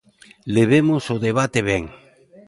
Levemos o debate ben.